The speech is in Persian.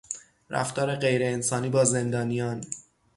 رفتار غیرانسانی با زندانیان